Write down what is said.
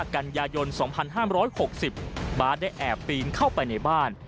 กันยายน๒๕๖๐บาทได้แอบปีนเข้าไปในบ้าน